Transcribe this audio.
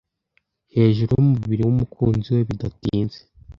hejuru yumubiri wumukunzi we, bidatinze,